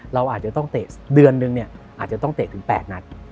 เราอาจจะต้องเตะเดือนนึงเนี่ยอาจจะต้องเตะถึง๘นัด